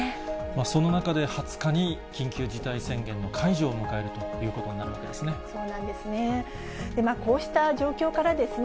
その中で、２０日に緊急事態宣言の解除を迎えるということになるわけですよそうなんですね。